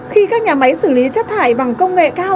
khi các nhà máy xử lý chất thải bằng công nghệ cao